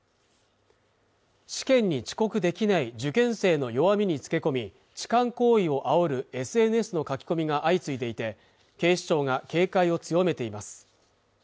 試験に遅刻できない受験生の弱みにつけ込み痴漢行為をあおるＳＮＳの書き込みが相次いでいて警視庁が警戒を強めています